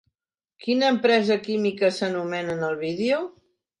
Quina empresa química s'anomena en el vídeo?